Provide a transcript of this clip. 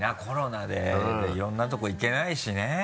コロナでいろんなとこ行けないしね。